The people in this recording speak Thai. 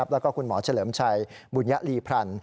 แล้วก็คุณหมอเฉลิมชัยบุญยลีพรรณ